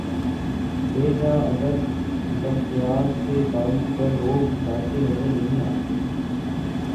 بے جا ادق لفظیات سے قاری پر رعب ڈالتے نظر نہیں آتے